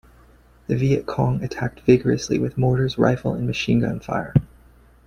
The Viet Cong attacked vigorously with mortars, rifle and machine gun fire.